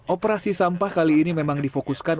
operasi sampah kali ini memang difokuskan